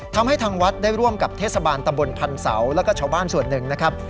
ทำให้ทางวัดได้ร่วมกับเทศบาลตำบลพันเสาแล้วก็ชาวบ้านส่วนหนึ่งนะครับ